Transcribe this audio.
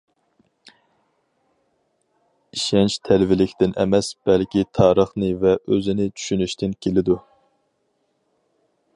ئىشەنچ تەلۋىلىكتىن ئەمەس، بەلكى تارىخنى ۋە ئۆزىنى چۈشىنىشتىن كېلىدۇ.